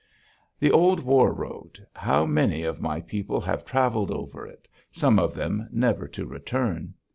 The old war road! How many of my people have traveled over it, some of them never to return.